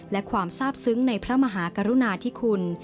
และความทราบซึ้งในพระมหากรุณาธิคุณ